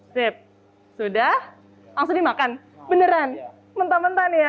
sip sudah langsung dimakan beneran mentah mentahan ya